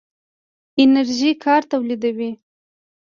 انرژي کار تولیدوي.